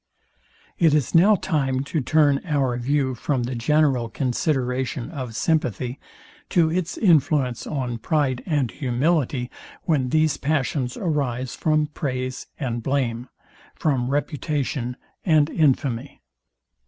It is now time to turn our view from the general consideration of sympathy, to its influence on pride and humility, when these passions arise from praise and blame, from reputation and infamy.